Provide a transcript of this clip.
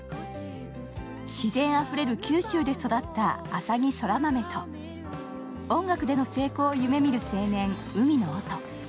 自然あふれる九州で育った浅葱空豆と音楽での成功を夢みる青年、海野音。